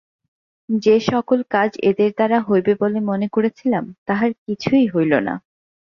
যে-সকল কাজ এদের দ্বারা হইবে বলে মনে করেছিলাম, তাহার কিছুই হইল না।